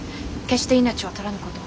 決して命は取らぬこと。